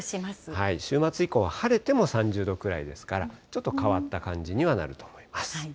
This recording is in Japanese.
週末以降、晴れても３０度くらいですから、ちょっと変わった感じにはなると思います。